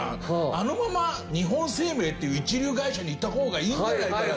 あのまま日本生命っていう一流会社にいた方がいいんじゃないかな。